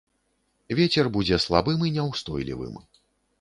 Вецер будзе слабым і няўстойлівым.